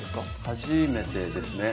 初めてですね